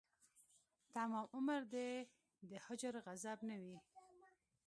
تمام عمر دې د هجر غضب نه وي